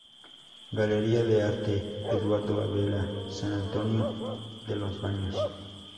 Galería de Arte Eduardo Abela, San Antonio de los Baños.